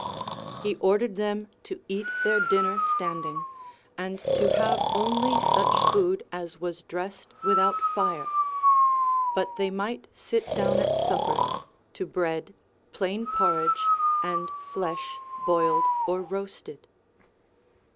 He ordered them to eat their dinner standing, and to have only such food as was dressed without fire ; but they might sit down at supper, to bread, plain porridge, and flesh boiled or roasted.